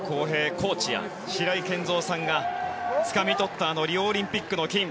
コーチや白井健三さんがつかみ取ったリオオリンピックの金。